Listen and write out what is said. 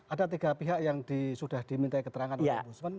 ada tiga pihak yang sudah diminta keterangan oleh ombudsman